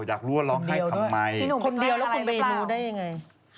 อยากรู้ว่าร้องไห้ทำไมคนเดียวแล้วคุณเป็นรู้ได้อย่างไร